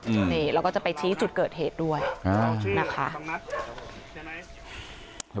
นี่แล้วก็จะไปชี้จุดเกิดเหตุด้วยนะคะ